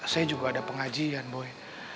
saya juga ada pengajian boy